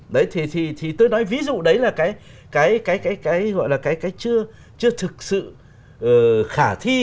đấy thì tôi nói ví dụ đấy là cái chưa thực sự khả thi